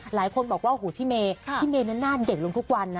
หลายคนบอกว่าโอ้โหพี่เมย์พี่เมย์นั้นหน้าเด็กลงทุกวันนะ